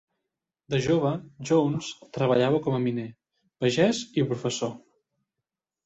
De jove, Jones treballava com a miner, pagès i professor.